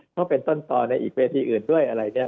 เพราะเป็นต้นต่อในอีกเวทีอื่นด้วยอะไรเนี่ย